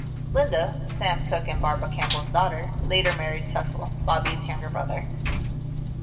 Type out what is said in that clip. Linda, Sam Cooke and Barbara Campbell's daughter, later married Cecil, Bobby's younger brother.